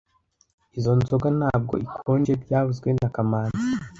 Izoi nzoga ntabwo ikonje byavuzwe na kamanzi